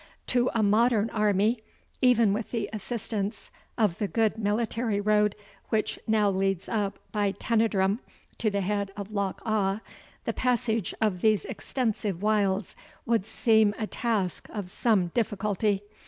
To a modern army, even with the assistance of the good military road which now leads up by Teinedrum to the head of Loch Awe, the passage of these extensive wilds would seem a task of some difficulty.